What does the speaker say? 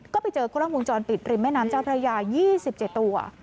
ก็ไปเจอกุร่องวงจรปิดริมแม่น้ำเจ้าพระยายี่สิบเจ็ดตัว